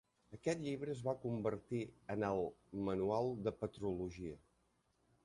Aquest llibre es va convertir en "el" manual de petrologia.